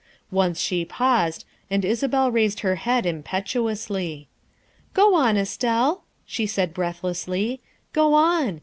Once she paused, and Isabel raised her head impetuously. " Go on, Estelle, " she said breathlessly, " go on.